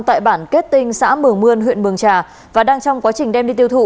tại bản kết tinh xã mường mươn huyện mường trà và đang trong quá trình đem đi tiêu thụ